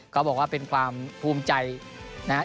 ก็บอกว่าเป็นความภูมิใจนะครับ